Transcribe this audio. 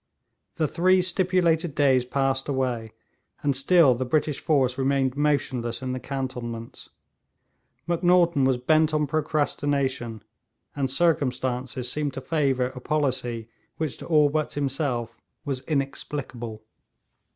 The three stipulated days passed away, and still the British force remained motionless in the cantonments. Macnaghten was bent on procrastination, and circumstances seemed to favour a policy which to all but himself was inexplicable.